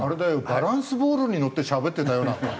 バランスボールにのってしゃべってたよなんか。